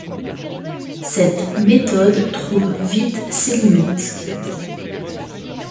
Cette méthode trouve vite ses limites.